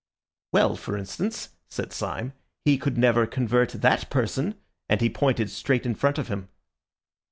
"Well, for instance," said Syme, "he could never convert that person," and he pointed straight in front of him.